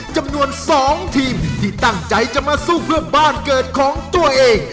จำนวน๒ทีมที่ตั้งใจจะมาสู้เพื่อบ้านเกิดของตัวเอง